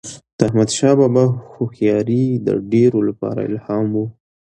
د احمدشاه بابا هوښیاري د ډیرو لپاره الهام و.